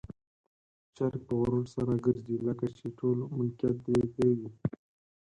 چرګ په غرور سره ګرځي، لکه چې ټول ملکيت د ده وي.